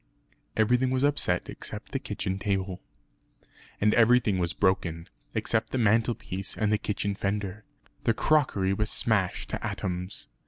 Everything was upset except the kitchen table. And everything was broken, except the mantelpiece and the kitchen fender. The crockery was smashed to atoms.